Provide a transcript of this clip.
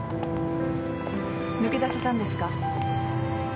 抜け出せたんですか？